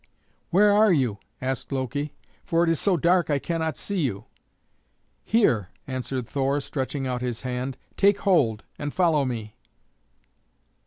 "Where are you?" asked Loki, "for it is so dark that I cannot see you." "Here," answered Thor, stretching out his hand; "take hold and follow me."